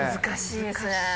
難しいですね。